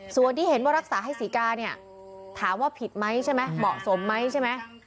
ส่วนที่เห็นว่ารักษาให้ศรีกาเนี่ยถามว่าผิดไหมใช่ไหมเหมาะสมไหมใช่ไหม